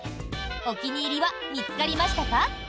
お気に入りは見つかりましたか？